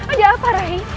ada apa rai